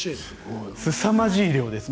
すさまじい量です。